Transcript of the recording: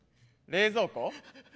冷蔵庫？